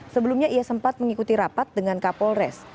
sebelumnya ia sempat mengikuti rapat dengan kapolres